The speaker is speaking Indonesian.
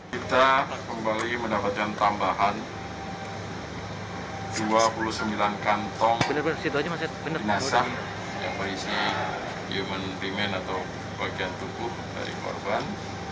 kita kembali mendapatkan tambahan dua puluh sembilan kantong yang berisi human demand atau bagian tubuh dari korban